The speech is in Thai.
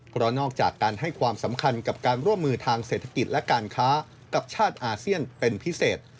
เพราะนอกจากการให้ความสำคัญกับการร่วมมือทางเศรษฐกิจและการค้ากับชาติอาเซียนเป็นพิเศษ